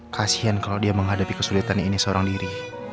kasian kalau dia menghadapi kesulitan ini seorang diri